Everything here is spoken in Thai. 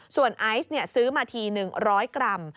ส่วนไอซล่ะซื้อมาทีหนึ่ง๑๐๐กรัม